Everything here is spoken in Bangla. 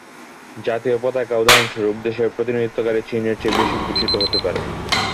জাতীয় পতাকা, উদাহরণস্বরূপ, দেশের প্রতিনিধিত্বকারী চিহ্নের চেয়ে বেশি বিবেচিত হতে পারে।